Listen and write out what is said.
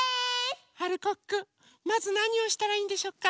まずなにをしたらいいんでしょうか？